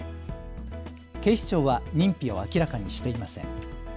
警視庁は認否を明らかにしていません。